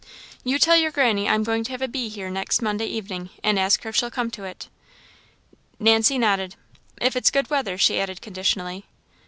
"You tell your granny I am going to have a bee here next Monday evening, and ask her if she'll come to it." Nancy nodded. "If it's good weather," she added, conditionally.